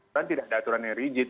kan tidak ada aturannya rigid